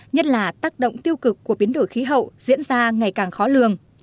nhất là tác động tiêu cực của biến đổi khí hậu diễn ra ngày càng khó lường